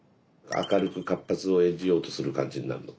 明るく活発を演じようとする感じになるの？